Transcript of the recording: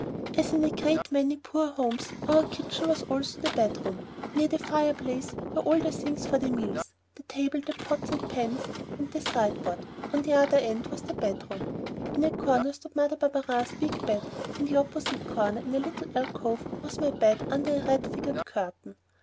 As in a great many poor homes, our kitchen was also the bedroom. Near the fireplace were all the things for the meals the table, the pots and pans, and the sideboard; at the other end was the bedroom. In a corner stood Mother Barberin's big bed, in the opposite corner, in a little alcove, was my bed under a red figured curtain.